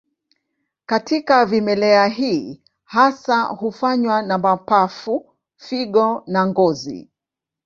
Katika vimelea hii hasa hufanywa na mapafu, figo na ngozi.